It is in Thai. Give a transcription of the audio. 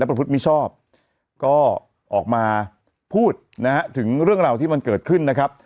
พระพุทธมิชอบก็ออกมาพูดนะฮะถึงเรื่องราวที่มันเกิดขึ้นนะครับ